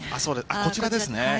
こちらですね。